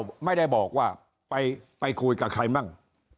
ก็ไม่ได้บอกว่าไปคุยกับใครมั่ง